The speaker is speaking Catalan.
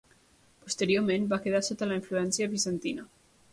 Posteriorment va quedar sota la influència bizantina.